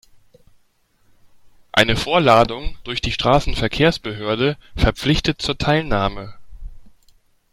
Eine Vorladung durch die Straßenverkehrsbehörde verpflichtet zur Teilnahme.